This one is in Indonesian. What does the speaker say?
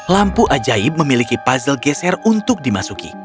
lampu ajaib memiliki puzzle geser untuk dimasuki